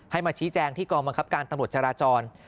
ให้มาชี้แจงที่กรมกรับการตำรวจจราจร